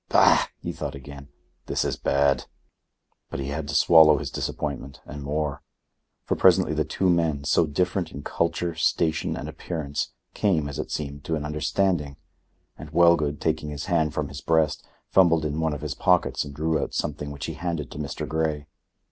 "Bah!" he thought again, "this is bad." But he had to swallow his disappointment, and more. For presently the two men, so different in culture, station and appearance, came, as it seemed, to an understanding, and Wellgood, taking his hand from his breast, fumbled in one of his pockets and drew out something which he handed to Mr. Grey.